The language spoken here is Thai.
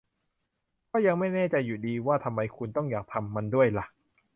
ก็ยังไม่แน่ใจอยู่ดีว่าทำไมคุณต้องอยากทำมันด้วยล่ะ